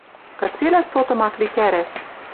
Кыцелӓ сотым ак ли кӓрӓш